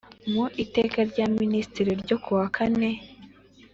mu Iteka rya Minisitiri n ryo ku wakane